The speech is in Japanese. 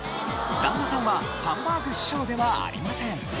旦那さんはハンバーグ師匠ではありません。